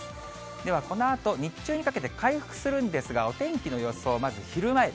ではこのあと、日中にかけて回復するんですが、お天気の予想、まず昼前。